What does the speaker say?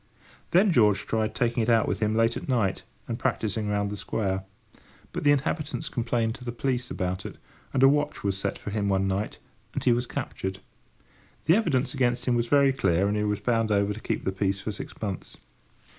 Then George tried taking it out with him late at night, and practising round the square. But the inhabitants complained to the police about it, and a watch was set for him one night, and he was captured. The evidence against him was very clear, and he was bound over to keep the peace for six months.